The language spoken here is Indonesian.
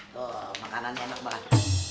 tuh makanannya enak banget